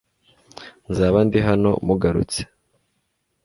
nzaba ndi hano mugarutse